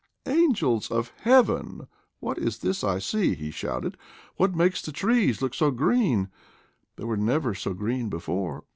"Angels of heaven, what is this I see! " he shouted. "What makes the trees look so green — they were never so green before